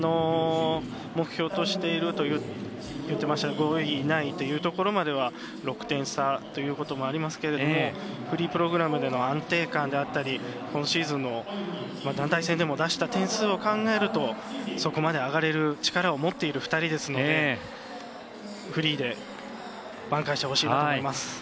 目標と言っていた５位以内というところまでは６点差ということもありますけれどもフリープログラムでの安定感であったり今シーズンの団体戦でも出した点数を考えるとそこまで上がれる力を持っている２人ですのでフリーで挽回してほしいなと思います。